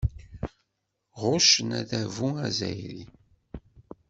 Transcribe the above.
Ɣuccen adabu azzayri.